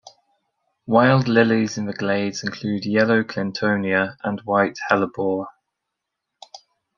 Wild lilies in the Glades include yellow clintonia and white hellebore.